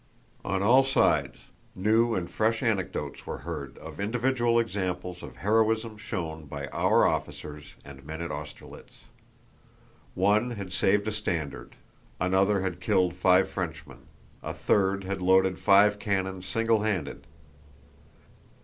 On all sides, new and fresh anecdotes were heard of individual examples of heroism shown by our officers and men at Austerlitz. One had saved a standard, another had killed five Frenchmen, a third had loaded five cannon singlehanded.